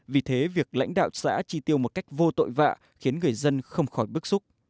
vì thế việc lãnh đạo xã tri tiêu một cách vô tội vạ khiến người dân không khỏi bức xúc